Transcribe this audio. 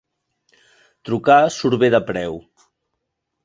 Trucar surt bé de preu.